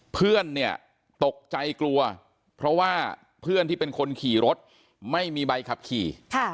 เพื่อนเนี่ยตกใจกลัวเพราะว่าเพื่อนที่เป็นคนขี่รถไม่มีใบขับขี่